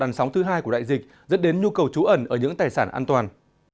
và là lần sống thứ hai của đại dịch dẫn đến nhu cầu trú ẩn ở những tài sản an toàn